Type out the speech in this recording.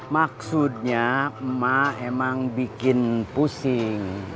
maksudnya emak emang bikin pusing